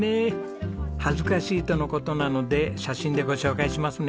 恥ずかしいとの事なので写真でご紹介しますね。